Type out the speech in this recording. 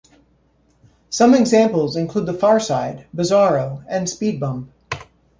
Some examples include The Far Side, Bizarro, and Speed Bump.